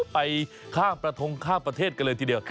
ไปข้างประทงข้ามประเทศกันเลยทีเดียว